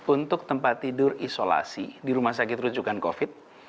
untuk tempat tidur isolasi di rumah sakit rujukan covid